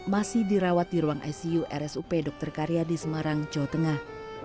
masih dirawat di ruang icu rsup dr karyadi semarang jawa tengah